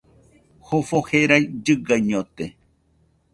Jofo jerai llɨgaiñote